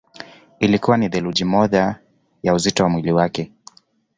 Ilikuwa ni theluthi moja ya uzito wa mwili wake.